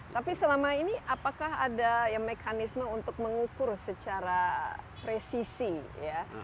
tapi selama ini apakah ada mekanisme untuk mengukur secara presisi ya